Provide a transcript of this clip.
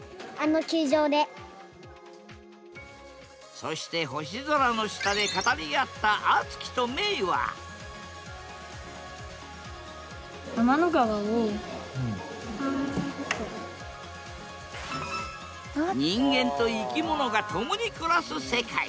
そして星空の下で語り合った人間と生き物が共に暮らす世界。